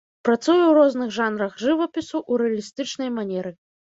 Працуе ў розных жанрах жывапісу ў рэалістычнай манеры.